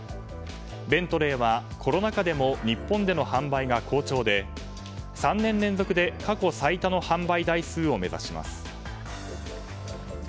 ベントレーは、コロナ禍でも日本での販売が好調で３年連続で過去最多の販売台数を目指します。